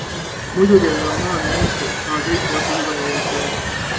Muidugi on ta maailmameister, aga kõik vastased on võidetavad.